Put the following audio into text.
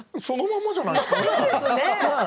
そのままじゃないですか。